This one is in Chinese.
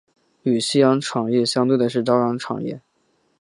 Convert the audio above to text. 与夕阳产业相对的是朝阳产业。